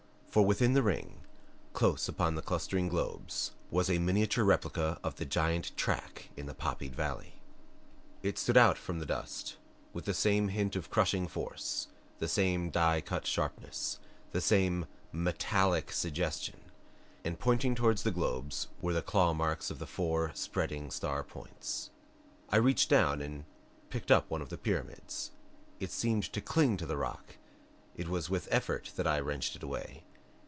For within the ring, close to the clustering globes, was a miniature replica of the giant track in the poppied valley! It stood out from the dust with the same hint of crushing force, the same die cut sharpness, the same METALLIC suggestion and pointing toward the globes were the claw marks of the four spreading star points. I reached down and picked up one of the pyramids. It seemed to cling to the rock; it was with effort that I wrenched it away.